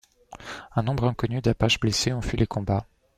Un nombre inconnu d'Apaches blessés ont fui les combats.